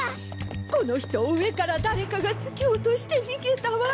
この人を上から誰かが突き落として逃げたわ。